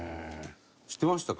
知ってましたか？